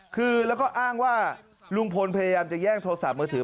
คือแล้วก็อ้างว่าลุงพลพยายามจะแย่งโทรศัพท์มือถือ